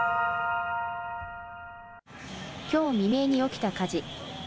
きょう未明に起きた火事。